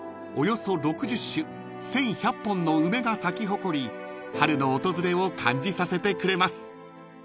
およそ６０種１，１００本の梅が咲き誇り春の訪れを感じさせてくれます］